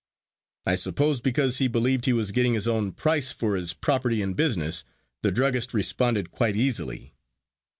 I suppose because he believed he was getting his own price for his property and business, the druggist responded quite easily.